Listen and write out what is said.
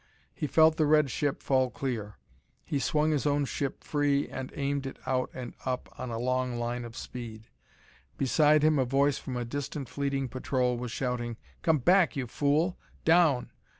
He felt the red ship fall clear. He swung his own ship free and aimed it out and up on a long line of speed. Beside him a voice from a distant, fleeing patrol was shouting; "Come back, you fool! Down!